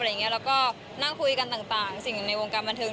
แล้วก็นั่งคุยกันต่างสิ่งในวงการบันเทิง